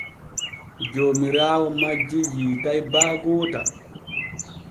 Joomiraawo majji yiitay baa goota.